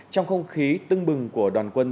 trong không khí tưng bừng của đoàn quân